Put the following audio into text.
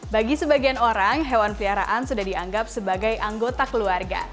bagi sebagian orang hewan peliharaan sudah dianggap sebagai anggota keluarga